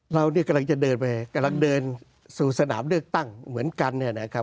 เราเนี่ยกำลังจะเดินไปกำลังเดินสู่สนามเลือกตั้งเหมือนกันเนี่ยนะครับ